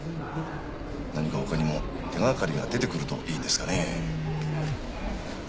何か他にも手掛かりが出てくるといいんですがね。